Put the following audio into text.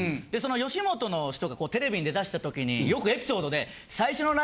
吉本の人がテレビに出だした時によくエピソードで。